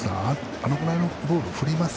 あのぐらいのボール振ります？